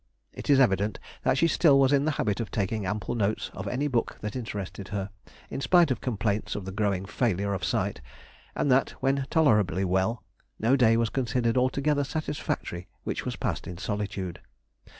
It is evident that she still was in the habit of taking ample notes of any book that interested her, in spite of complaints of the growing failure of sight, and that, when tolerably well, no day was considered altogether satisfactory which was passed in solitude.